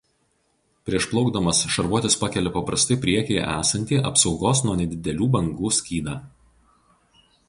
Prieš plaukdamas šarvuotis pakelia paprastai priekyje esantį apsaugos nuo nedidelių bangų skydą.